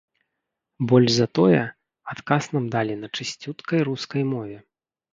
Больш за тое, адказ нам далі на чысцюткай рускай мове.